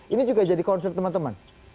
ini juga jadi concern teman teman